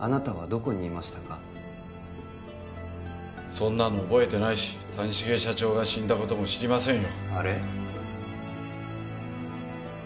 そんなの覚えてないし谷繁社長が死んだことも知りませんよあれッ？